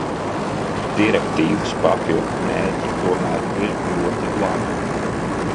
Direktīvas papildu mērķi tomēr ir ļoti labi.